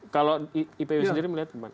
kalau ipw sendiri melihat bagaimana